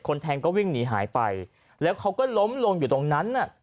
แทงก็วิ่งหนีหายไปแล้วเขาก็ล้มลงอยู่ตรงนั้นน่ะ